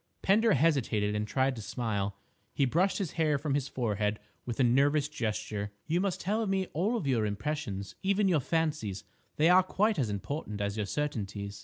Pender hesitated and tried to smile. He brushed his hair from his forehead with a nervous gesture. "You must tell me all your impressions, even your fancies; they are quite as important as your certainties."